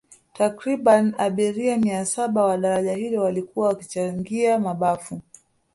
Takribani abiria mia saba wa daraja hilo walikuwa wakichangia mabafu